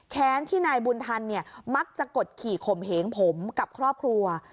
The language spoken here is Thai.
แค้นที่นายบุญฐันมักจะกดขี่ข่มเหงผมกับครอบครัว